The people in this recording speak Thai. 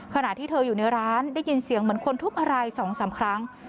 ขณะที่เธออยู่ในร้านได้ยินเสียงเหมือนคนทุบอะไร๒๓ครั้ง